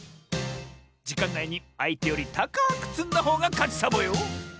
じかんないにあいてよりたかくつんだほうがかちサボよ！